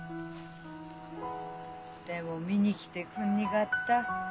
でも見に来てくんにがった。